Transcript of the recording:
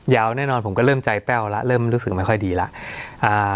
แน่นอนผมก็เริ่มใจแป้วแล้วเริ่มรู้สึกไม่ค่อยดีแล้วอ่า